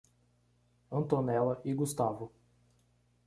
Antonella e Gustavo